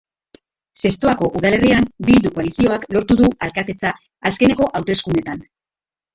Zestoako udalerrian Bildu koalizioak lortu du alkatetza azkeneko hauteskundeetan.